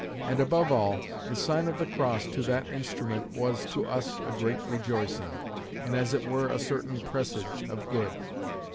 And above all, the sign of the cross to that instrument was to us a great rejoicing, and as it were a certain presage of good.